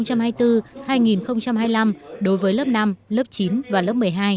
năm học hai nghìn hai mươi năm hai nghìn hai mươi năm đối với lớp năm lớp chín và lớp một mươi hai